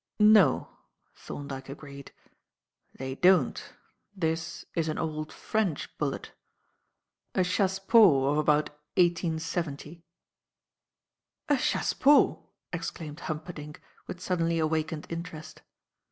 "No," Thorndyke agreed. "They don't. This is an old French bullet; a chassepot of about 1870." "A chassepot!" exclaimed Humperdinck, with suddenly awakened interest.